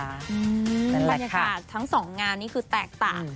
นั่นแหละค่ะบรรยากาศทั้งสองงานนี่คือแตกตะ